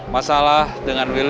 masalah dengan willy